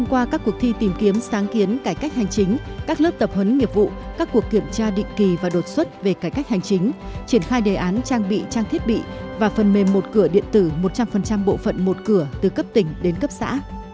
qua các cuộc thi tìm kiếm sáng kiến cải cách hành chính các lớp tập hấn nghiệp vụ các cuộc kiểm tra định kỳ và đột xuất về cải cách hành chính triển khai đề án trang bị trang thiết bị và phần mềm một cửa điện tử một trăm linh bộ phận một cửa từ cấp tỉnh đến cấp xã